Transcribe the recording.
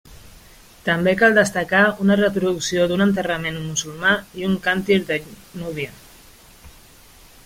També cal destacar una reproducció d'un enterrament musulmà i un càntir de núvia.